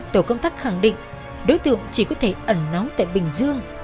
tổ công tác khẳng định đối tượng chỉ có thể ẩn nóng tại bình dương